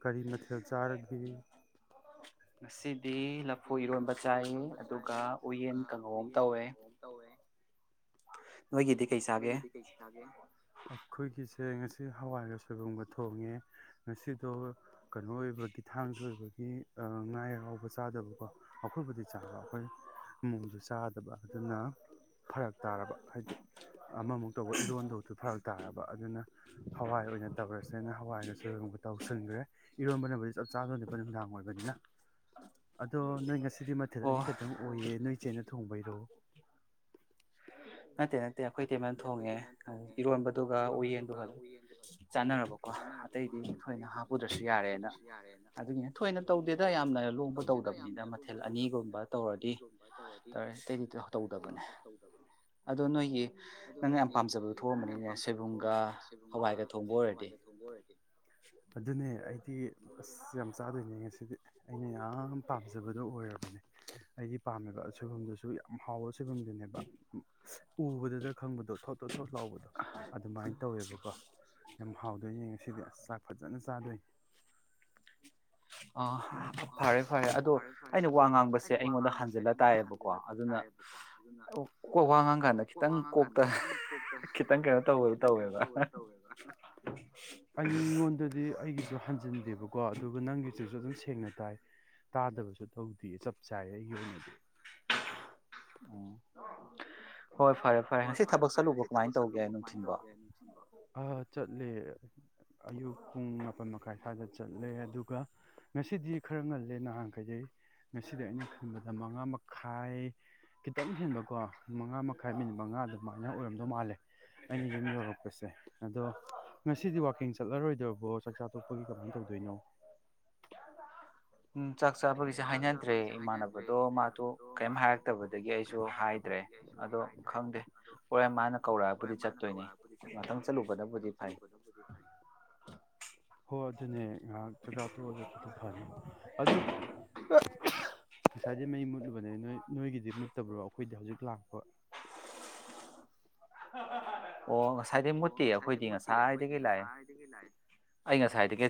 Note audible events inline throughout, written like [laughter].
ꯀꯔꯤ ꯃꯊꯦꯜ ꯆꯥꯔꯒꯦ ꯉꯁꯤꯠ ꯁꯤꯗꯤ ꯂꯐꯣꯏ ꯏꯔꯣꯟꯕ ꯆꯥꯏ ꯑꯗꯨꯒ ꯎꯌꯦꯟ ꯀꯥꯡꯍꯣ ꯑꯃ ꯇꯧꯋꯦ ꯣꯏꯗꯤ ꯀꯩꯁꯤ ꯊꯒꯦꯣꯏ ꯁꯦ ꯉꯁꯤ ꯍꯋꯥꯏꯔ ꯁꯣꯏꯕꯨꯝꯕ ꯊꯣꯡꯉꯦ ꯉꯁꯤꯗꯣ ꯀꯩꯅꯣ ꯑꯣꯏꯕꯒꯤ ꯊꯥꯡꯖ ꯑꯣꯏꯕꯒꯤ ꯉꯥ ꯍꯔꯥꯎꯕ ꯆꯥꯗꯕꯀꯣ ꯑꯩꯈꯣꯏꯕꯨꯗꯤ ꯆꯥꯕ ꯑꯩꯈꯣꯏ ꯏꯃꯁꯨ ꯆꯥ ꯑꯗꯨꯅ ꯐꯔꯛ ꯇꯥꯔꯕ ꯍꯥꯏꯗꯤ ꯑꯃꯃꯨꯛ ꯇꯧꯕ ꯏꯔꯣꯟꯗꯧꯁꯨ ꯐꯔꯛ ꯇꯥꯔꯕ ꯑꯗꯨꯅ ꯍꯋꯥꯏ ꯑꯣꯏꯅ ꯇꯧꯔꯁꯦꯅ ꯍꯋꯥꯏꯒꯁꯨ ꯇꯧꯁꯤꯟꯈ꯭ꯔꯦ ꯏꯔꯣꯟꯕꯅꯕꯨꯗꯤ ꯆꯞ ꯆꯥꯗꯣꯅꯕ ꯅꯨꯡꯗꯥꯡ ꯑꯣꯏꯕꯅꯤꯅ ꯑꯗꯣ ꯅꯣꯏ ꯉꯁꯤꯗꯤ ꯃꯊꯦꯜ ꯑꯅꯤ ꯈꯛꯇꯪ ꯑꯣꯏꯌꯦ ꯅꯣꯏ ꯆꯦꯅ ꯊꯣꯡꯕꯩꯔꯣ ꯅꯠꯇꯦ ꯅꯠꯇꯦ ꯑꯩꯈꯣꯏ ꯑ ꯇꯇꯩꯃꯅ ꯊꯣꯡꯉꯦ ꯏꯔꯣꯟꯕꯗꯨꯒ ꯎꯌꯦꯟꯗꯨꯒ ꯑꯗꯨꯝ ꯆꯥꯟꯅꯔꯕꯀꯣ ꯑꯇꯩꯗꯤ ꯊꯣꯏꯅ ꯍꯥꯞꯄꯨꯗ꯭ꯔꯁꯨ ꯌꯥꯔꯦꯅ ꯑꯗꯨꯒꯤꯅꯦ ꯊꯣꯏꯅ ꯇꯧꯗꯦꯗ ꯌꯥꯝꯅ ꯂꯣꯡꯕ ꯇꯧꯗꯕꯅꯤꯗ ꯃꯊꯦꯜ ꯑꯅꯤꯒꯨꯝꯕ ꯇꯧꯔꯗꯤ ꯇꯧꯔꯦ ꯑꯇꯩꯗꯤ ꯇꯧꯗꯕꯅꯦ [unintelligible] ꯑ ꯅꯒꯤ ꯌꯥꯝ ꯄꯥꯝꯖꯕꯕ ꯍ ꯑꯗꯨꯅꯦ ꯑꯩꯗꯤ ꯑꯁ ꯌꯥꯝ ꯆꯥꯗꯣꯏꯅꯦ ꯉꯁꯤ ꯑꯩꯅ ꯌꯥꯝ ꯄꯥꯝꯖꯕꯗꯨꯣ ꯑꯣꯏꯔꯕꯅꯦ ꯑꯩ ꯄꯥꯝꯃꯦꯕ ꯁꯣꯏꯕꯨꯝꯗꯨꯁꯨ ꯌꯥꯝ ꯍꯥꯎꯕ ꯁꯣꯏꯕꯨꯝꯗꯨꯅꯦꯕ ꯎꯕꯗꯨꯗ ꯈꯪꯕꯗꯣ ꯊꯣꯠ ꯊꯣꯠ ꯊꯣꯠ ꯂꯥꯎꯕꯗꯣ ꯑꯗꯨꯃꯥꯏꯅ ꯇꯧꯋꯦꯕꯀꯣ ꯌꯥꯝ ꯍꯥꯎꯗꯣꯏꯅ ꯌꯦꯡꯉꯦ ꯁꯤꯗꯤ ꯑꯁ ꯆꯥꯛ ꯐꯖꯅ ꯆꯥꯗꯣꯏ [unintelligible] ꯑ ꯐꯔꯦ ꯐꯔꯦ ꯑꯗꯨꯗ ꯑꯩꯅ ꯋꯥ ꯉꯥꯡꯕꯁꯦ ꯑꯩꯉꯣꯟꯗ ꯍꯟꯖꯤꯜꯂꯛ ꯇꯥꯏꯌꯦꯕꯀꯣ ꯑꯗꯨꯅ ꯋꯥ ꯉꯥꯡꯀꯥꯟꯗ ꯈꯤꯇꯪ ꯀꯣꯛꯇ ꯈꯤꯇꯪ ꯀꯩꯅꯣ ꯇꯧꯕ ꯇꯧꯋꯦꯕ ꯑꯩꯉꯣꯟꯗꯗꯤ ꯑꯩꯒꯤꯁꯨ ꯍꯟꯖꯤꯟꯗꯦꯕꯀꯣ ꯑꯗꯨꯒ ꯅꯪꯒꯤꯁꯨ ꯑꯗꯨꯨꯁꯨ ꯑꯗꯨꯝ ꯁꯦꯡꯅꯗꯦ ꯇꯥꯏ ꯇꯥꯗꯕꯁꯨ ꯇꯧꯗꯦ ꯆꯞ ꯆꯥꯏ ꯑꯩꯒꯤ ꯑꯣꯏꯅꯗꯤ ꯎ ꯍꯣꯏ ꯐꯔꯦ ꯐꯔꯦ ꯉꯁꯤ ꯊꯕꯛ ꯆꯠꯂꯨꯕ ꯀꯃꯥꯏꯅ ꯇꯧꯒꯦ ꯍꯥꯏꯕꯣ ꯆꯠꯂꯦ ꯑꯌꯨꯛ ꯄꯨꯡ ꯃꯥꯄꯜ ꯃꯈꯥꯏ ꯁ꯭ꯋꯥꯏꯗ ꯆꯠꯂꯦ ꯑꯗꯨꯒ ꯉꯁꯤꯗꯤ ꯈꯔ ꯉꯜꯂꯦ ꯅꯍꯥꯟꯈꯩꯗꯩ ꯉꯁꯤꯗꯤ ꯑꯩꯅ ꯈꯟꯕꯗ ꯃꯉꯥ ꯃꯈꯥꯏ ꯈꯤꯇꯪ ꯍꯦꯟꯕꯀꯣ ꯃꯉꯥ ꯃꯈꯥꯏ ꯃꯤꯅꯤꯠ ꯑꯗꯨꯃꯥꯏꯅ ꯑꯣꯏꯔꯝꯗꯧ ꯃꯥꯜꯂꯦ ꯑꯩꯅ ꯌꯨꯝ ꯌꯧꯔꯛꯄꯁꯦ ꯑꯗꯣ ꯉꯁꯤꯗꯤ ꯋꯥꯋꯀꯤꯡ ꯆꯠꯂꯔꯣꯏꯗꯕꯣ ꯆꯥꯛꯆꯥ ꯇꯣꯛꯄꯒꯤ ꯀꯃꯥꯏꯅ ꯇꯧꯗꯣꯏꯅꯣ ꯎꯝ ꯆꯥꯛ ꯆꯥꯕꯒꯤꯁꯦ ꯍꯥꯏꯅꯗ꯭ꯔꯦ ꯏꯃꯥꯟꯅꯕꯗꯣ ꯃꯥꯗꯨ ꯀꯔꯤꯝ ꯍꯥꯏꯔꯛꯇꯕꯗꯒꯤ ꯑꯩꯁꯨ ꯍꯥꯏꯗ꯭ꯔꯦ ꯑꯗꯣ ꯈꯪꯗꯦ ꯍꯣꯔꯦ ꯃꯥꯅ ꯀꯧꯔꯛꯑꯕꯨꯗꯤ ꯆꯠꯇꯣꯏꯅꯦ ꯃꯊꯪ ꯆꯠꯂꯨꯕꯗꯕꯨꯗꯤ ꯐꯩ ꯍꯣꯏ ꯑꯗꯨꯅꯦ ꯉꯥꯏꯍꯥꯛ ꯆꯥꯛꯆꯥꯥ ꯇꯣꯛꯑ ꯆꯠꯄꯗꯨꯣ ꯐꯅꯤ ꯑꯗꯣ ꯉꯁꯥꯏꯗꯤ ꯃꯩ ꯃꯨꯠꯂꯨꯕꯅꯦ ꯅꯣꯏ ꯅꯣꯏꯒꯤꯗꯤ ꯃꯨꯠꯇꯕ꯭ꯔꯣ ꯑꯩꯈꯣꯏꯗꯤ ꯍꯧꯖꯤꯛ ꯂꯥꯛꯄ [unintelligible] ꯑꯣ ꯉꯁꯥꯏꯗꯒꯤꯩ ꯃꯨꯠꯇꯦ ꯑꯩꯈꯣꯏꯗꯤ ꯉꯁꯥꯏꯗꯒꯤ ꯂꯥꯛꯑ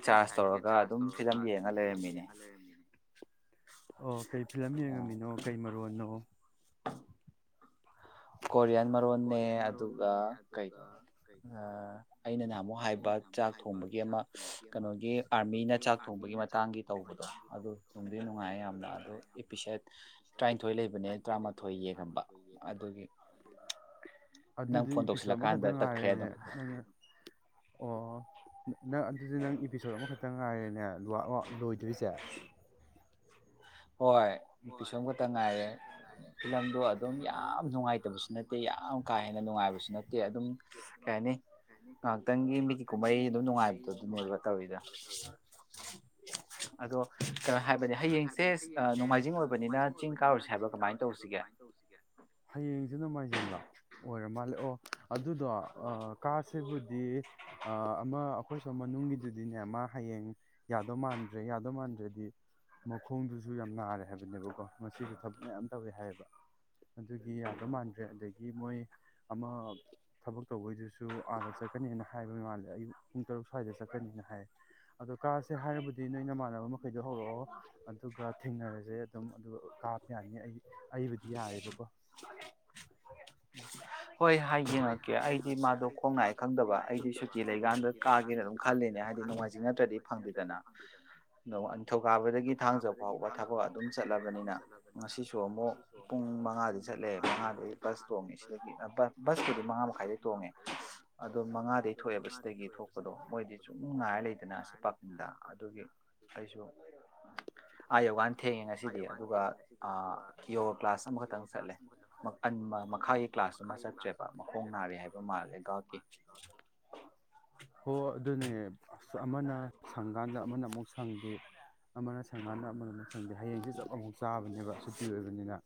ꯑꯩ ꯉꯁꯥꯏꯗꯒꯤ ꯆꯥꯔꯖ ꯇꯧꯔꯒ ꯑꯗꯨꯝ ꯐꯤꯂꯝ ꯌꯦꯡꯉ ꯂꯩꯔꯝꯃꯤꯅꯦ ꯑꯣ ꯀꯩ ꯐꯤꯂꯝ ꯌꯦꯡꯉꯝꯃꯤꯅꯣ ꯀꯩ ꯃꯔꯣꯅꯣ ꯀꯣꯔꯤꯌꯥꯟ ꯃꯔꯣꯟꯅꯦ ꯑꯗꯨꯒ ꯀꯗꯣ ꯑꯩꯅ ꯅꯍꯥꯟ ꯑꯃꯨꯛ ꯍꯥꯏꯕ ꯆꯥꯛ ꯊꯣꯡꯕꯒꯤ ꯑꯃ ꯀꯩꯅꯣꯒꯤ ꯑꯥꯔꯃꯤꯅ ꯆꯥꯛ ꯊꯣꯡꯕꯒꯤ ꯃꯇꯥꯡꯒꯤ ꯇꯧꯕꯗꯣ ꯑꯗꯨ ꯅꯨꯡꯗꯤ ꯅꯨꯡꯉꯥꯏ ꯌꯥꯝꯅ ꯑꯗꯨ ꯑꯦꯄꯤꯁꯦꯠ ꯇꯔꯥꯅꯤꯊꯣꯏ ꯂꯩꯕꯅꯦ ꯇꯔꯥꯃꯥꯊꯣꯏ ꯌꯦꯡꯉꯕ ꯑꯗꯨꯒꯤ ꯑꯗꯨꯗꯤ ꯏꯄꯤꯁꯣꯠ ꯑꯃꯈꯛꯇꯪ ꯉꯥꯏꯔꯦꯅꯦ ꯅꯪ ꯑꯣ ꯅꯪ ꯑꯗꯨꯗꯤ ꯅꯪ ꯏꯄꯤꯁꯣꯠ ꯑꯃꯈꯛꯇ ꯉꯥꯏꯔꯦꯅꯦ ꯂꯣꯏꯗꯣꯏꯣꯏꯁꯦ ꯍꯣꯏ ꯅꯨꯄꯤꯤꯁꯣꯝ ꯈꯛꯇ ꯉꯥꯏꯔꯦ ꯐꯤꯂꯝꯗꯣ ꯑꯗꯨꯝ ꯌꯥꯝ ꯅꯨꯡꯉꯥꯏꯇꯕꯁꯨ ꯅꯠꯇꯦ ꯌꯥꯝ ꯀꯥ ꯍꯦꯟꯅ ꯅꯨꯡꯉꯥꯏꯕꯁꯨ ꯅꯠꯇꯦ ꯑꯗꯨꯝ ꯀꯩ ꯍꯥꯏꯅꯤ ꯉꯥꯏꯍꯥꯛꯇꯪꯒꯤ ꯃꯤꯒꯤ ꯀꯨꯝꯍꯩ ꯑꯗꯨꯝ ꯅꯨꯡꯉꯥꯏꯕꯗꯨꯣ ꯑꯗꯨꯅꯦꯕ ꯇꯧꯔꯤꯗ ꯑꯗꯣ ꯀꯩꯅꯣ ꯍꯥꯏꯕꯅꯤ ꯍꯌꯦꯡ ꯑ ꯖꯤꯡ ꯍꯌꯦꯡꯁꯦ ꯅꯣꯡꯃꯥꯏꯖꯤꯡ ꯂꯥꯛ ꯑꯣꯏꯔ ꯃꯥꯜꯂꯦ ꯑꯣ ꯑꯗꯨꯗꯣ ꯀꯥꯁꯤꯕꯨꯗꯤ ꯑꯃ ꯑꯩꯈꯣꯏꯁꯨ ꯃꯅꯨꯡꯒꯤꯗꯨꯗꯤꯅꯦ ꯑꯃ ꯍꯌꯦꯡ ꯌꯥꯗꯧ ꯃꯥꯟꯗ꯭ꯔꯦ ꯌꯥꯗꯧ ꯃꯥꯟꯗ꯭ꯔꯗꯤ ꯃꯈꯣꯡꯗꯨꯁꯨ ꯌꯥꯝ ꯅꯥꯔꯦ ꯍꯥꯏꯕꯅꯦꯕꯀꯣ ꯃꯁꯤꯁꯨ ꯊꯕꯛ ꯃꯌꯥꯝ ꯇꯧꯋꯦ ꯍꯥꯏꯌꯦꯕ ꯑꯗꯨꯒꯤ ꯌꯥꯗꯧ ꯃꯥꯟꯗ꯭ꯔꯦ ꯑꯗꯒꯤ ꯃꯣꯏ ꯑꯃ ꯊꯕꯛ ꯇꯧꯕꯩꯗꯨꯁꯨ ꯑꯥꯗ ꯆꯠꯀꯅꯦꯅ ꯍꯥꯏꯕ ꯃꯥꯜꯂꯦ ꯑꯩ ꯄꯨꯡ ꯇꯔꯨꯛ ꯁ꯭ꯋꯥꯏꯗ ꯆꯠꯀꯅꯤꯅ ꯍꯥꯏ ꯑꯗꯣ ꯀꯥꯔꯥꯁꯦ ꯍꯥꯏꯔꯕꯗꯤ ꯅꯣꯏ ꯅꯃꯥꯟꯅꯕ ꯃꯈꯩꯗꯣ ꯍꯧꯔꯛꯑꯣ ꯑꯗꯨꯒ ꯔꯁꯦ ꯑꯗꯨꯝ ꯑꯗꯨꯒ ꯀꯥꯞ ꯌꯥꯅꯤ ꯑꯩ ꯑꯩꯕꯨꯗꯤ ꯌꯥꯑꯕꯀꯣ ꯍꯣꯏ ꯍꯥꯏ ꯌꯦꯡꯉꯛꯀꯦ ꯑꯩꯗꯤ ꯃꯥꯗꯣ ꯈꯣꯡꯅꯥꯏ ꯈꯪꯗꯕ ꯑꯩꯗꯤ ꯁꯨꯇꯤ ꯂꯩꯀꯥꯟꯗ ꯀꯥꯒꯦꯅ ꯑꯗꯨꯝ ꯈꯜꯂꯤꯅꯦ ꯍꯥꯏꯗꯤ ꯅꯨꯡꯉꯥꯏꯖꯤꯡ ꯅꯠꯇ꯭ꯔꯗꯤ ꯐꯪꯗꯦꯗꯅ ꯅꯤꯡꯊꯧꯀꯥꯕꯗꯒꯤ ꯊꯥꯡꯖ ꯐꯥꯎꯕ ꯊꯥꯕꯠ ꯑꯗꯨꯝ ꯆꯠꯂꯕꯅꯤꯅ ꯉꯁꯤꯁꯨ ꯑꯃꯨꯛ ꯄꯨꯡ ꯃꯉꯥꯗꯤ ꯆꯠꯂꯦ ꯃꯉꯥꯗꯒꯤ ꯕꯁ ꯇꯣꯡꯉꯦ ꯁꯤꯗꯒꯤꯕ ꯕꯁꯇꯨꯗꯤ ꯃꯉꯥ ꯃꯈꯥꯏꯗ ꯇꯣꯡꯉꯦ ꯑꯗꯣ ꯃꯉꯥꯗꯩ ꯊꯣꯛꯑꯦꯕ ꯁꯤꯗꯒꯤ ꯊꯣꯛꯄ ꯗꯣ ꯃꯣꯏꯗꯤ ꯁꯨꯝꯉꯥꯏꯔ ꯂꯩꯗꯅ ꯑꯁꯤ ꯄꯥꯀꯤꯡꯗ ꯑꯗꯨꯒꯤ ꯑꯩꯁꯨ ꯑꯥ ꯌꯣꯒꯥꯥꯟ ꯊꯦꯡꯉꯦ ꯉꯁꯤꯗꯤ ꯑꯗꯨꯒ ꯌꯣꯒꯥ ꯀ꯭ꯂꯥꯁ ꯑꯃꯈꯛꯇꯪ ꯆꯠꯂꯦ ꯃꯈꯥꯒꯤ ꯀ꯭ꯂꯥꯁꯇꯨꯃ ꯆ ꯃꯈꯣꯡ ꯅꯥꯔꯦ ꯍꯥꯏꯕ ꯃꯥꯜꯂꯦ ꯒꯍꯥꯛꯀꯤ ꯍꯣ ꯑꯗꯨꯅꯦ ꯑꯁ ꯑꯃꯅ ꯁꯪꯀꯥꯟꯗ ꯑꯃꯅ ꯑꯃꯨꯛ ꯁꯪꯗꯦ ꯑꯃꯅ ꯁꯪꯀꯥꯟꯗ ꯑꯃꯅ ꯑꯃꯨꯛ ꯁꯪꯗꯦ ꯍꯌꯦꯡꯁꯦ ꯆꯞ ꯑꯃꯨꯛ ꯆꯥꯕꯅꯦꯕ ꯁꯨꯇꯤ ꯑꯣꯏꯕꯅꯤꯅ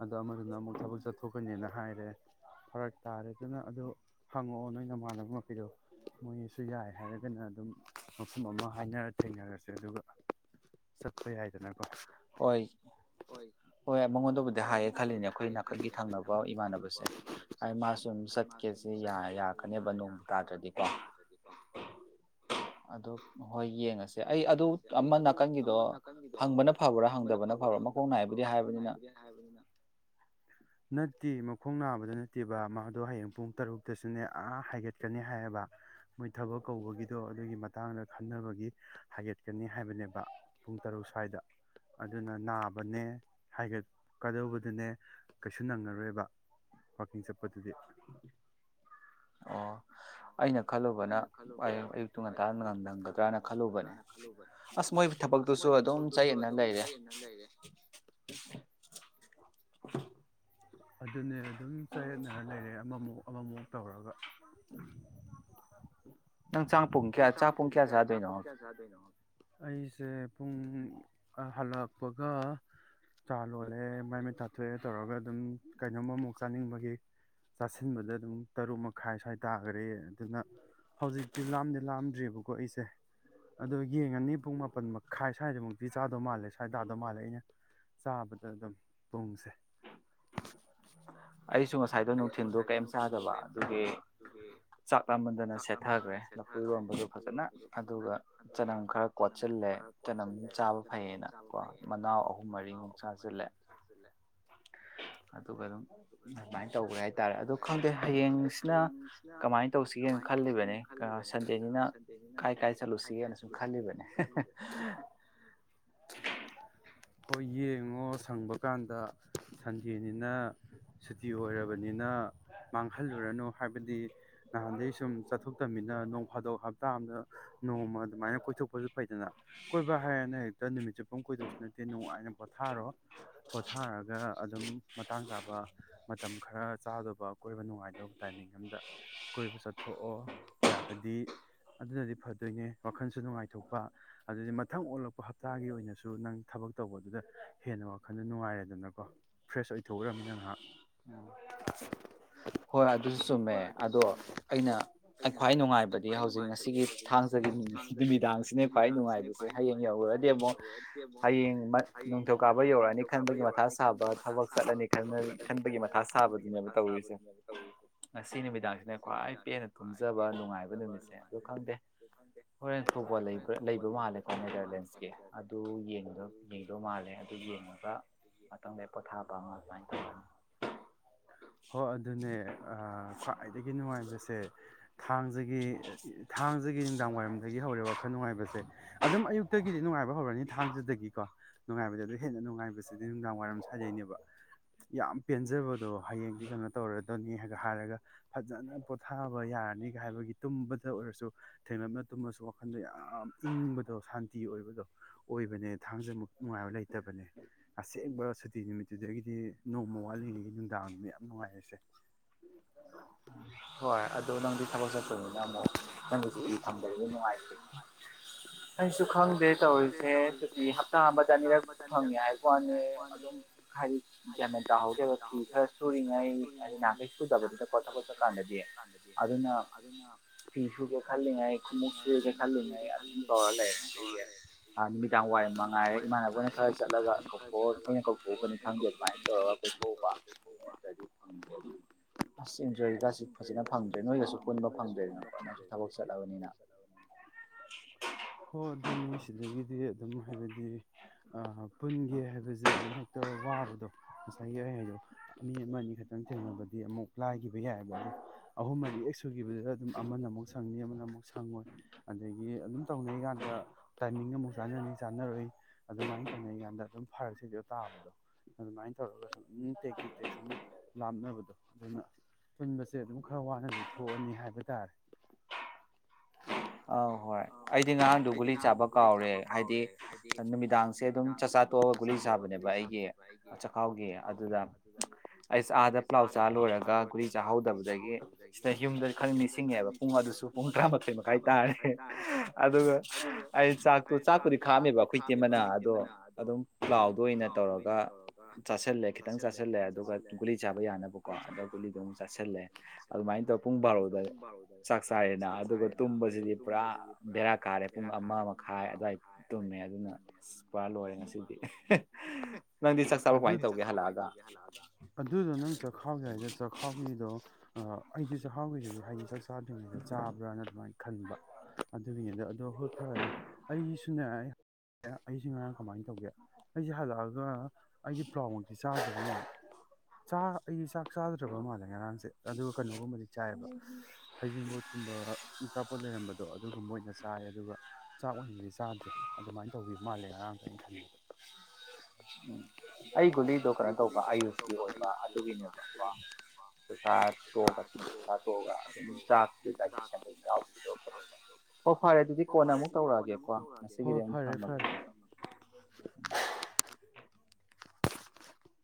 ꯑꯗꯣ ꯑꯃꯗꯨꯅ ꯑꯃꯨꯛ ꯊꯕꯛ ꯆꯠꯊꯣꯛꯀꯅꯦꯅ ꯍꯥꯏꯔꯦ ꯐꯔꯛ ꯇꯥꯔꯦ ꯑꯗꯨꯅ ꯑꯗꯨꯣ ꯍꯪꯉꯛꯑꯣ ꯅꯣꯏ ꯅ ꯃꯃꯥꯟꯅꯕ ꯃꯈꯩꯗꯣ ꯃꯣꯏꯅꯁꯨ ꯌꯥꯏ ꯍꯥꯏꯔꯒꯅ ꯑꯗꯨꯝ ꯃꯐꯝ ꯑꯃ ꯍꯥꯏꯅꯔ ꯊꯦꯡꯅꯔꯁꯦ ꯑꯗꯨꯒ ꯆꯠꯄ ꯌꯥꯏ ꯍꯣꯏ ꯍꯣꯏ ꯃꯉꯣꯟꯗꯕꯨꯗꯤ ꯍꯥꯏꯌꯦ ꯈꯜꯂꯤꯅꯦ ꯑꯩꯈꯣꯏ ꯅꯥꯀꯟꯒꯤ ꯊꯪꯅꯕ ꯏꯃꯥꯟꯅꯕꯁꯦ ꯑꯩ ꯃꯥ ꯁꯨꯝ ꯆꯠꯀꯦꯁꯤ ꯌꯥꯔꯛꯀꯅꯦꯕ ꯅꯣꯡꯃ ꯇꯥꯗ꯭ꯔꯗꯤꯀꯣ ꯑꯗꯨ ꯍꯣꯏ ꯌꯦꯡꯉꯁꯦ ꯑꯩ ꯑꯗꯨ ꯑꯃ ꯅꯥꯀꯟꯒꯤꯗꯣ ꯍꯪꯕꯅ ꯐꯕ꯭ꯔꯥ ꯍꯪꯗꯕꯅ ꯐꯕ꯭ꯔꯥ ꯃꯈꯣꯡ ꯅꯥꯏꯕꯨꯗꯤ ꯍꯥꯏꯕꯅꯤꯅ ꯇꯤ ꯃꯈꯣꯡ ꯅꯥꯕꯗꯅꯤ ꯐꯠꯇꯦꯕ ꯃꯥꯗꯣ ꯍꯌꯦꯡ ꯄꯨꯡ ꯇꯔꯨꯛꯇꯁꯨꯅꯦ ꯑꯥ ꯍꯥꯏꯒꯠꯀꯅꯤ ꯍꯥꯏꯌꯦꯕ ꯃꯣꯏ ꯊꯕꯛ ꯀꯧꯕꯒꯤꯗꯣ ꯑꯗꯨꯒꯤ ꯃꯇꯥꯡꯗ ꯈꯟꯅꯕꯒꯤ ꯍꯥꯏꯒꯠꯀꯅꯤ ꯍꯥꯏꯕꯅꯦꯕ ꯄꯨꯡ ꯇꯔꯨꯛ ꯁ꯭ꯋꯥꯏꯗ ꯑꯗꯨꯅ ꯅꯥꯕꯅꯦ ꯍꯥꯏꯒꯠꯀꯗꯧꯕꯗꯨꯅꯦ ꯀꯩꯁꯨ ꯅꯪꯉꯔꯣꯏꯕ ꯄꯥꯔꯀꯤꯡ ꯆꯠꯄꯗꯨꯗꯤ ꯑꯣ ꯑꯩꯅ ꯈꯜꯂꯨꯕꯅ ꯑ ꯑꯌꯨꯛꯇꯨ ꯉꯟꯇꯥ ꯉꯪ ꯅꯪꯒꯗ꯭ꯔꯅ ꯈꯜꯂꯨꯕꯅꯦ ꯑꯁ ꯃꯣꯏ ꯊꯕꯛꯇꯨꯁꯨ ꯑꯗꯨꯝ ꯆꯌꯦꯠꯅ ꯂꯩꯔꯦ ꯑꯗꯨꯅꯦ ꯑꯗꯨꯝ ꯆꯌꯦꯠꯅꯔ ꯂꯩꯔꯦ ꯑꯃꯃꯨꯛ ꯑꯃꯃꯨꯛ ꯇꯧꯔꯒ ꯅꯪ ꯆꯥꯡ ꯄꯨꯡ ꯀꯌꯥ ꯆꯥꯛ ꯄꯨꯡ ꯀꯌꯥ ꯆꯥꯗꯣꯏꯅꯣ ꯑꯩꯁꯦ ꯄꯨꯡ ꯍꯜꯂꯛꯄꯒ ꯆꯥ ꯂꯣꯜꯂꯦ ꯃꯥꯏ ꯃꯤꯠ ꯇꯥꯊꯣꯛꯑꯦ ꯇꯧꯔꯒ ꯑꯗꯨꯝ ꯀꯩꯅꯣꯝꯃꯃꯨꯛ ꯆꯥꯅꯤꯡꯕꯒꯤ ꯆꯥꯁꯤꯟꯕꯗ ꯑꯗꯨꯝ ꯇꯔꯨꯛ ꯃꯈꯥꯏ ꯁ꯭ꯋꯥꯏ ꯇꯥꯒꯔꯦ ꯑꯗꯨꯅ ꯍꯧꯖꯤꯛꯇꯤ ꯂꯥꯝꯗ ꯂꯥꯝꯗꯔꯤꯕꯀꯣ ꯑꯩꯁꯦ ꯑꯗꯣ ꯌꯦꯡꯉꯅꯤ ꯄꯨꯡ ꯃꯥꯄꯟ ꯃꯈꯥꯏ ꯁ꯭ꯋꯥꯏꯗꯃꯨꯛꯇꯤ ꯆꯥ ꯑꯗꯣ ꯃꯥꯜꯂꯦ ꯁ꯭ꯋꯥꯏ ꯗꯥꯗꯣ ꯃꯥꯜꯂꯦ ꯑꯩꯅ ꯆꯥꯕꯗ ꯑꯗꯨꯝ ꯄꯨꯡꯁꯦ ꯑꯩꯁꯨ ꯉꯁꯥꯏꯗꯣ ꯅꯨꯡꯊꯤꯜꯗꯣ ꯀꯔꯤꯝ ꯆꯥꯗꯕ ꯑꯗꯨꯒꯤ ꯆꯥꯛ ꯂꯃꯟꯗꯅ ꯁꯦꯠꯊꯈ꯭ꯔꯦ ꯂꯐꯨꯏꯔꯣꯟꯝꯕꯗꯣ ꯐꯖꯅ ꯑꯗꯨꯒ ꯆꯅꯝ ꯈꯔ ꯀꯣꯠꯁꯤꯜꯂꯦ ꯆꯅꯝ ꯆꯥꯕ ꯐꯩꯌꯦꯅ ꯀꯣ ꯃꯅꯥꯎ ꯑꯍꯨꯝ ꯃꯔꯤꯃꯨꯛ ꯆꯥꯖꯤꯜꯂꯦ ꯑꯣ ꯑꯗꯨꯃꯥꯏꯅ ꯇꯧꯒꯔꯦ ꯍꯥꯏꯇꯥꯔꯦ ꯑꯗꯣ ꯈꯪꯗꯦ ꯍꯌꯦꯡꯁꯤꯅ ꯀꯃꯥꯏꯅ ꯇꯧꯁꯤꯒꯦꯅ ꯈꯜꯂꯤꯕꯅꯦ ꯁꯟꯗꯦꯅꯤꯅ ꯀꯥꯏ ꯀꯥꯏ ꯆꯠꯂꯨꯁꯤꯒꯦꯅ ꯁꯨꯝ ꯈꯜꯂꯤꯕꯅꯦ ꯍꯣꯏ ꯌꯦꯡꯉꯣ ꯁꯪꯕ ꯀꯥꯟꯗ ꯁꯟꯗꯦꯅꯤꯅ ꯁꯨꯇꯤ ꯑꯣꯏꯔꯕꯅꯤꯅ ꯃꯥꯡꯍꯜꯂꯨꯔꯅꯨ ꯍꯥꯏꯕꯗꯤ ꯅꯍꯥꯟꯗꯩ ꯁꯨꯝ ꯆꯠꯊꯣꯛꯇꯝꯃꯤꯅ ꯅꯣꯡ ꯐꯥꯗꯣꯛ ꯍꯞꯇꯥ ꯑꯃꯗ ꯅꯣꯡꯃ ꯑꯗꯨꯃꯥꯏꯅ ꯀꯣꯏꯊꯣꯛꯄꯁꯨ ꯐꯩꯗꯅ ꯀꯣꯏꯕ ꯍꯥꯏꯔꯅ ꯍꯦꯛꯇ ꯅꯨꯃꯤꯠ ꯆꯨꯞꯄꯥꯃ ꯀꯣꯏꯗꯣꯛꯁꯨ ꯅꯠꯇꯦ ꯅꯨꯡꯉꯥꯏꯅ ꯄꯣꯊꯥꯔꯣ ꯄꯣꯊꯥꯔꯒ ꯑꯗꯨꯝ ꯃꯇꯥꯡ ꯆꯥꯕ ꯃꯇꯝ ꯈꯔ ꯆꯥꯗꯧꯕ ꯀꯣꯏꯕ ꯅꯨꯡꯉꯥꯏꯗꯧꯕ ꯇꯥꯏꯃꯤꯡ ꯑꯝꯗ ꯀꯣꯏꯕ ꯆꯠꯊꯣꯛꯑꯣ ꯌꯥꯔꯗꯤ ꯑꯗꯨꯅꯗꯤ ꯐꯗꯣꯏꯅꯦ ꯋꯥꯈꯜꯁꯨ ꯅꯨꯡꯉꯥꯏꯊꯣꯛꯄ ꯑꯗꯨꯗꯤ ꯃꯊꯪ ꯑꯣꯜꯂꯛꯄ ꯍꯞꯇꯥꯒꯤ ꯑꯣꯏꯅꯁꯨ ꯅꯪ ꯊꯕꯛ ꯇꯧꯕꯗꯨꯗ ꯍꯦꯟꯅ ꯋꯥꯈꯜꯗ ꯅꯨꯡꯉꯥꯏꯔꯦꯗꯅꯀꯣ ꯐ꯭ꯔꯦꯁ ꯑꯣꯏꯊꯣꯛꯎ꯭ꯔꯕꯅꯤꯅ ꯑ ꯍꯣꯏ ꯑꯗꯨꯁꯨ ꯆꯨꯝꯃꯦ ꯑꯗꯣ ꯑꯩꯅ ꯈ꯭ꯋꯥꯏ ꯅꯨꯡꯉꯥꯏꯕꯗꯤ ꯍꯧꯖꯤꯛ ꯉꯁꯤꯒꯤ ꯊꯥꯡꯖꯒꯤ ꯅꯨꯃꯤꯗꯥꯡꯁꯤꯅ ꯈ꯭ꯋꯥꯏ ꯅꯨꯡꯉꯥꯏꯕꯁꯦ ꯍꯌꯦꯡ ꯌꯧꯔꯨꯔꯗꯤ ꯑꯃꯨꯛ ꯍꯌꯦꯡ ꯃ ꯅꯤꯡꯊꯧꯀꯥꯕ ꯌꯧꯔꯛꯑꯅꯤ ꯈꯟꯕꯒꯤ ꯃꯊꯥ ꯁꯥꯕ ꯊꯕꯛ ꯆꯠꯂꯅꯤ ꯈꯟꯕꯒꯤ ꯒꯤ ꯃꯊꯥ ꯁꯥꯕꯗꯨꯅꯦꯕ ꯇꯧꯔꯤꯁꯦ ꯉꯁꯤ ꯅꯨꯃꯤꯗꯥꯡꯁꯤꯅ ꯈ꯭ꯋꯥꯏ ꯄꯦꯟꯅ ꯇꯨꯝꯖꯕ ꯅꯨꯡꯉꯥꯏꯕ ꯅꯨꯃꯤꯠꯁꯦ ꯑ ꯈꯪꯗꯦ ꯍꯣꯏꯔꯦꯟ ꯐꯨꯠꯕꯣꯜ ꯂꯩꯕ ꯃꯥꯜꯂꯦꯀꯣ ꯅꯦꯗꯔꯂꯦꯟꯁꯀꯤ ꯑꯗꯨ ꯌꯦꯡꯗꯧ ꯃꯥꯜꯂꯦ ꯑꯗꯨ ꯌꯦꯡꯉꯒ ꯃꯊꯪꯗ ꯄꯣꯊꯥꯕ ꯑꯃ ꯑꯗꯨꯃꯥꯏꯅ ꯇꯧꯦ ꯍꯣꯏ ꯑꯗꯨꯅꯦ ꯈ꯭ꯋꯥꯏꯗꯒꯤ ꯅꯨꯡꯉꯥꯏꯕꯁꯦ ꯊꯥꯡꯖꯒꯤ ꯊꯥꯡꯖꯒꯤ ꯅꯨꯡꯗꯥꯡ ꯋꯥꯏꯔꯝꯗꯒꯤ ꯍꯧꯔꯦ ꯋꯥꯈꯜ ꯅꯨꯡꯉꯥꯏꯕꯁꯦ ꯑꯗꯨꯝ ꯑꯌꯨꯛꯇꯒꯤꯗꯤ ꯅꯨꯡꯉꯥꯏꯕ ꯍꯧꯔꯅꯤ ꯊꯥꯡꯁꯤꯗꯒꯤꯀꯣ ꯅꯨꯡꯉꯥꯏꯕꯗ ꯑꯗꯨꯣ ꯍꯦꯟꯅ ꯅꯨꯡꯉꯥꯏꯕꯁꯤꯗꯤ ꯅꯨꯡꯗꯥꯡ ꯋꯥꯏꯔꯝ ꯁꯥꯗꯩꯅꯦꯕ ꯌꯥꯝ ꯄꯦꯟꯖꯕꯗꯣ ꯍꯌꯦꯡꯗꯤ ꯀꯩꯅꯣ ꯇꯧꯔꯗꯣꯏꯅꯤ ꯍꯥꯏ ꯒ ꯍꯥꯏꯔꯒ ꯐꯖꯅ ꯄꯣꯊꯥ ꯌꯥꯔꯅꯤꯒ ꯍꯥꯏꯕꯒꯤ ꯇꯨꯝꯕꯗ ꯑꯣꯏꯔꯁꯨ ꯊꯦꯡꯅꯅ ꯑꯗꯨꯨꯝꯝꯕꯁꯨ ꯋꯥꯈꯜꯗ ꯌꯥꯝ ꯏꯪꯕꯗꯣ ꯁꯥꯟꯇꯤ ꯑꯣꯏꯕꯗꯣ ꯑꯣꯏꯕꯅꯦ ꯊꯥꯡꯖꯃꯛ ꯅꯨꯡꯉꯥꯏꯕ ꯂꯩꯇꯕꯅꯦ ꯑꯁꯦꯡꯕ ꯁꯨꯇꯤ ꯅꯨꯃꯤꯠꯇꯨꯗꯒꯤꯗꯤ ꯅꯣꯡꯃ ꯋꯥꯠꯂꯤꯉꯩꯒꯤ ꯅꯨꯡꯗꯥꯡꯗꯨ ꯌꯥꯝ ꯅꯨꯡꯉꯥꯏꯔꯁꯦ ꯍꯣꯏ ꯑꯗꯣ ꯅꯪꯗꯤ ꯊꯕꯛ ꯆꯠꯄꯅꯤꯅ ꯑꯃꯨꯛ ꯅꯪꯒꯤ ꯁꯨꯇꯤ ꯐꯪꯕꯗꯤ ꯅꯨꯡꯉꯥꯏꯇꯦ ꯑꯩꯁꯨ ꯈꯪꯗꯦ ꯇꯧꯔꯤꯁꯦ ꯁꯨꯇꯤ ꯍꯞꯇꯥ ꯑꯃꯗ ꯑꯅꯤꯔꯛ ꯐꯪꯉꯦ ꯍꯥꯏꯕ ꯋꯥꯅꯤ ꯑꯗꯨꯝ ꯍꯥꯏꯗꯤ ꯒꯌꯥꯃꯦꯟ ꯇꯥꯍꯧꯗꯦꯕ ꯐꯤ ꯈꯔ ꯁꯨꯔꯤꯉꯩ ꯑꯩꯅ ꯁꯨ ꯑꯗꯨ ꯀ ꯀꯁ ꯀꯥꯟꯗꯗꯤꯦ ꯑꯗꯨꯅ ꯐꯤ ꯁꯨꯒꯦ ꯈꯜꯂꯤꯉꯩ ꯈꯣꯡꯎꯞ ꯁꯨꯒꯦ ꯈꯜꯂꯤꯉꯩ ꯑꯗꯨꯝ ꯇꯧꯔ ꯂꯩꯔꯦ ꯑꯗꯨꯒꯤ ꯅꯨꯃꯤꯗꯥꯡ ꯋꯥꯏ ꯃꯉꯥꯏꯔꯦ ꯏꯃꯥꯟꯅꯕꯅ ꯈꯔ ꯆꯠꯂꯒ ꯀꯧꯊꯣꯛꯑ ꯑꯩꯅ ꯀꯧꯊꯣꯛꯀꯅꯤ ꯈꯪꯗꯦ ꯑꯗꯨꯃꯥꯏꯅ ꯇꯧꯔꯒ ꯀꯧꯊꯣꯛꯕ ꯑꯗꯨ ꯅꯠꯇ꯭ꯔꯗꯤ ꯐꯪꯅꯤꯡ ꯑꯁ ꯏꯟꯖꯣꯏꯗꯁꯤ ꯐꯖꯅ ꯐꯪꯗ꯭ꯔꯦ ꯅꯣꯏꯒꯁꯨ ꯄꯨꯟꯕ ꯐꯪꯗ꯭ꯔꯦꯗꯅꯀꯣ ꯅꯣꯏꯁꯨ ꯊꯕꯛ ꯆꯠꯂꯕꯅꯤꯅ ꯍꯥꯏꯗꯤ ꯑꯗꯨꯝ ꯍꯥꯏꯕꯗꯤ ꯄꯨꯟꯒꯦ ꯍꯥꯏꯕꯁꯦ ꯑꯗꯨꯝ ꯍꯦꯛ ꯋꯥꯕꯗꯣ ꯉꯁꯥꯏꯒꯤ ꯑꯣꯏ ꯍꯥꯏꯗꯣ ꯃꯤ ꯑꯃ ꯑꯅꯤ ꯈꯛꯇꯪ ꯊꯦꯡꯅꯕꯗꯤ ꯑꯃꯨꯛ ꯂꯥꯏꯈꯤꯕ ꯌꯥꯏꯑꯕ ꯑꯗꯣ ꯑꯍꯨꯝ ꯃꯔꯤ ꯑꯦꯛ ꯁꯨꯈꯤꯕꯗꯨꯗ ꯑꯗꯨꯝ ꯑꯃꯅ ꯑꯃꯨꯛ ꯁꯪꯅꯤ ꯑꯃꯅ ꯑꯃꯨꯛ ꯁꯪꯉꯣꯏ ꯑꯗꯒꯤ ꯑꯗꯨꯝ ꯇꯧꯅꯩ ꯀꯥꯟꯗ ꯇꯥꯏꯃꯤꯡꯒ ꯑꯃꯨꯛ ꯆꯥꯟꯅꯅꯤ ꯆꯥꯟꯅꯔꯨꯏ ꯑꯗꯨꯃꯥꯏꯅ ꯇꯧꯅꯔꯤ ꯀꯥꯟꯗ ꯑꯗꯨꯝ ꯐꯔꯛꯁꯤꯗꯣ ꯇꯥꯕꯗꯣ ꯑꯗꯨꯃꯥꯏꯅ ꯇꯧꯔꯒ ꯁꯨꯝ ꯇꯦꯛ ꯇꯦꯛ ꯇꯦꯛ ꯁꯨꯝ ꯂꯥꯞꯅꯕꯗꯣ ꯑꯗꯨꯅ ꯄꯨꯟꯕ ꯦ ꯑꯗꯨꯝ ꯈꯔ ꯋꯥꯅꯗꯤ ꯊꯣꯛꯑꯅꯤ ꯍꯥꯏꯕ ꯇꯥꯔꯦ ꯑ ꯍꯣꯏ ꯑꯩꯗꯤ ꯉꯍꯥꯡꯗꯨꯣ ꯒꯨꯂꯤ ꯆꯥꯕ ꯀꯥꯎꯔꯦ ꯍꯥꯏꯗꯤ ꯅꯨꯃꯤꯗꯥꯡꯁꯦ ꯑꯗꯨꯝ ꯆꯥꯛꯆꯥ ꯇꯣꯛꯑꯒ ꯒꯨꯂꯤ ꯆꯥꯕꯅꯦꯕ ꯑꯩꯒꯤ ꯆꯈꯥꯎꯒꯤ ꯑꯗꯨꯗ ꯑꯩꯁ ꯑꯥꯗ ꯄ꯭ꯂꯥꯎ ꯆꯥ ꯂꯣꯏꯔꯒ ꯒꯨꯂꯤ ꯆꯥꯍꯧꯗꯕꯗ ꯑꯗꯒꯤ ꯁꯤꯗ ꯌꯨꯝꯗ ꯈꯪꯅꯤ ꯏꯁꯤꯡꯉꯦꯕ ꯄꯨꯡ ꯑꯗꯨꯁꯨ ꯄꯨꯡ ꯇꯔꯥꯃꯥꯊꯣꯏ ꯃꯈꯥꯏ ꯇꯔꯦ ꯑꯗꯨꯒ ꯑꯩ ꯆꯥꯛꯇꯣ ꯆꯥꯛꯄꯨꯗꯤ ꯈꯥꯝꯃꯦꯕ ꯑꯩꯈꯣꯏ ꯏ ꯇꯤꯃꯅ ꯑꯗꯣ ꯑꯗꯨꯝ ꯄ꯭ꯂꯥꯎꯗ ꯑꯣꯏꯅ ꯇꯧꯔꯒ ꯆꯥꯁꯤꯜꯂꯦ ꯈꯤꯇꯪ ꯆꯥꯁꯤꯜꯂꯦ ꯑꯗꯨꯒ ꯒꯨꯂꯤ ꯆꯥꯕ ꯌꯥꯅꯕꯀꯣ ꯑꯗ ꯒꯨꯂꯤꯗꯣ ꯑꯃꯨꯛ ꯆ ꯦ ꯑꯗꯨ ꯇ ꯕꯥ ꯆ ꯆ ꯥꯦ ꯆꯈꯥꯎꯒꯦ ꯍꯥꯏ ꯍꯣꯕꯤꯗ ꯑꯩꯗꯤ ꯆꯥꯛꯍꯥꯎꯒꯤꯁꯤꯗꯤ ꯍꯥꯏꯗꯤ ꯆꯥꯛ ꯆꯥꯗ꯭ꯔꯤꯉꯩꯗ ꯆꯥꯕ꯭ꯔꯥꯅ ꯑꯗꯨꯃꯥꯏꯅ ꯈꯟꯕ ꯑꯗꯨꯒꯤꯅꯦꯗꯣ ꯑꯗꯣ ꯍꯣꯏ ꯐꯔꯦ ꯑꯩꯁꯨꯅꯦ ꯑꯩꯁꯨ ꯉꯔꯥꯡ ꯀꯃꯥꯏꯅ ꯇꯧꯒꯦ ꯑꯩꯁꯦ ꯍꯜꯂꯛꯑꯒ ꯑꯩꯗꯤ ꯄ꯭ꯂꯥꯎꯃꯛꯇꯤ ꯆꯥꯗꯅꯦ ꯆꯥ ꯑꯩꯗꯤ ꯆꯥꯛ ꯆ ꯐꯠꯇ꯭ꯔꯕ ꯃꯥꯜꯂꯦ ꯉꯔꯥꯡꯁꯦ ꯑꯗꯨꯒ ꯀꯩꯅꯣꯒꯨꯝꯕꯗꯤ ꯆꯥꯏꯑꯕ ꯍꯩꯖꯤꯡꯕꯣꯠꯀꯨꯝꯕ ꯑꯆꯥꯄꯣꯠ ꯂꯩꯔꯝꯕꯗꯣ ꯑꯗꯨꯒꯨꯝꯕ ꯑꯣꯏꯅ ꯆꯥꯏ ꯑꯗꯨꯒ ꯆꯥꯛ ꯑꯣꯏꯅꯗꯤ ꯆꯥꯗ꯭ꯔꯦ ꯑꯗꯨꯃꯥꯏꯅ ꯇꯧꯕꯤ ꯃꯥꯜꯂꯦ ꯉꯔꯥꯡꯗꯣ ꯑꯩꯅ ꯈꯟꯕꯗ ꯑꯩ ꯒꯨꯂꯤꯗꯣ ꯀꯩꯅꯣ ꯇꯧꯕ ꯑꯌꯨꯁꯀꯤ ꯑꯣꯏꯕ ꯑꯗꯨꯒꯤꯅꯦꯕꯀꯣ ꯄꯁꯥ ꯇꯒꯨꯝ ꯆꯁꯥ ꯇꯣꯛꯑꯒ ꯑꯗꯨꯝ ꯆꯥꯛꯇ ꯗꯥꯏꯖꯦꯁꯟ ꯑꯗꯨ ꯌꯥꯎꯗꯣ ꯍꯣꯏ ꯐꯔꯦ ꯑꯗꯨꯗꯤ ꯀꯣꯟ ꯑꯃꯨꯛ ꯇꯧꯔꯛꯑꯒꯦꯀꯣ ꯉꯁꯤꯒꯤꯗꯤ ꯑꯃꯨꯛ ꯊꯝꯃꯒ ꯎꯝ [unintelligible]